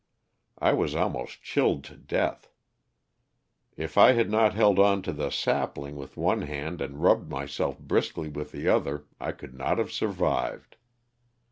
I was almost chilled to death. If I had not held on to the sapling with one hand and rubbed myself briskly with the other I could not have survived.